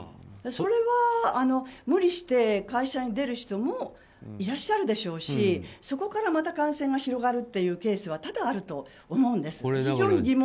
それは無理して会社に出る人もいらっしゃるでしょうしそこから感染が広がるケースは多々あると思うんです。